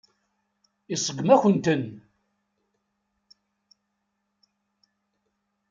Iseggem-akent-ten.